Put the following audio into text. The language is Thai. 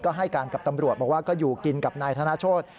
ก็ให้การกับตำรวจบอกว่าก็อยู่กินกับนายธนโชธ